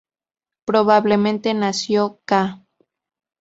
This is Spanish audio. Probablemente nació ca.